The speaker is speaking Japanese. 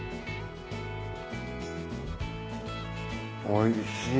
おいしい。